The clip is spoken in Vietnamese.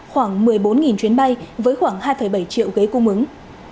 khoảng một mươi bốn chuyến bay với khoảng hai bảy triệu ghế cung ứng